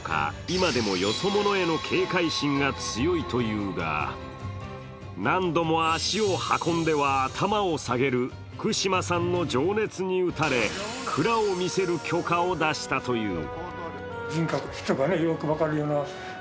今でもよそ者に対する警戒感が強いというが、何度も足を運んでは頭を下げる福島さんの情熱に打たれ、蔵を見せる許可を出したという。